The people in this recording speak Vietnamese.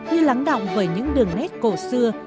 như lắng đọng với những đường nét cổ xưa